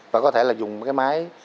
và có thể là dùng cái máy